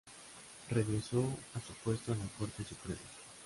Regresó a su puesto en la Corte Suprema.